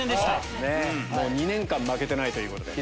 ２年間負けてないということで。